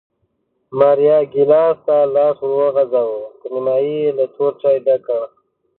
ماریا ګېلاس ته لاس ور وغځاوه، تر نیمایي یې له تور چای ډک کړ